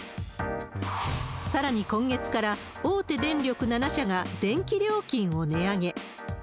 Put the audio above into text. さらに今月から、大手電力７社が電気料金を値上げ。